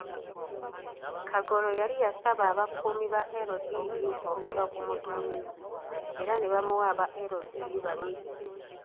Kagolo yali yasaba abakuumi ba LDU okuva ku muduumizi era ne bamuwa aba LDU babiri.